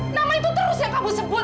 nama itu terus yang kamu sebut